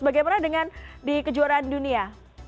bagaimana dengan di kejuaraan dunia